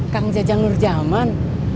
kang jajang nurjaman